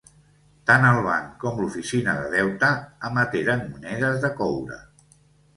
Tant el Banc com l'Oficina de Deute emeteren monedes de coure.